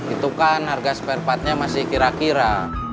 itu kan harga spare partnya masih kira kira